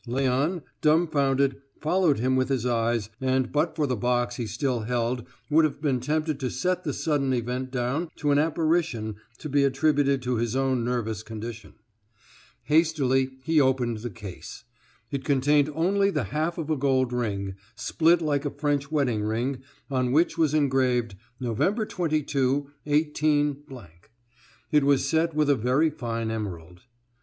Léon, dumbfounded, followed him with his eyes, and but for the box he still held would have been tempted to set the sudden event down to an apparition to be attributed to his own nervous condition. Hastily, he opened the case. It contained only the half of a gold ring, split like a French wedding ring, on which was engraved "November 22, 18 ." It was set with a very fine emerald.